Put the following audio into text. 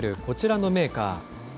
こちらのメーカー。